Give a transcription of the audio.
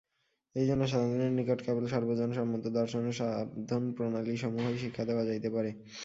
এইজন্য সাধারণের নিকট কেবল সর্বজনসম্মত দর্শন ও সাধনপ্রণালীসমূহই শিক্ষা দেওয়া যাইতে পারে।